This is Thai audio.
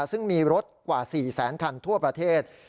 ซึ่งมีรถกว่า๔แสนคันทั่วประเทศ